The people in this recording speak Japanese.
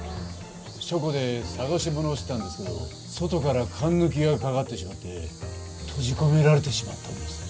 書庫で捜し物をしてたんですけど外からかんぬきがかかってしまって閉じ込められてしまったんです。